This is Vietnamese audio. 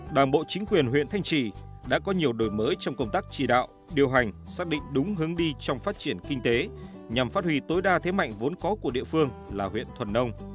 đảng bộ chính quyền huyện thanh trì đã có nhiều đổi mới trong công tác chỉ đạo điều hành xác định đúng hướng đi trong phát triển kinh tế nhằm phát huy tối đa thế mạnh vốn có của địa phương là huyện thuần nông